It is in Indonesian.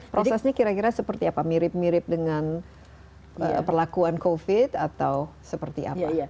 prosesnya kira kira seperti apa mirip mirip dengan perlakuan covid atau seperti apa